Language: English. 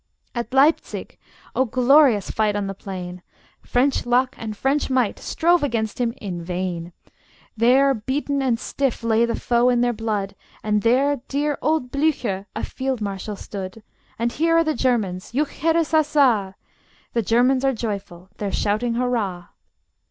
At Leipzig O glorious fight on the plain! French luck and French might strove against him in vain; There beaten and stiff lay the foe in their blood, And there dear old Blücher a field marshal stood. And here are the Germans: juchheirassassa! The Germans are joyful: they're shouting hurrah!